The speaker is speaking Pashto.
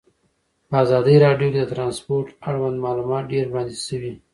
په ازادي راډیو کې د ترانسپورټ اړوند معلومات ډېر وړاندې شوي.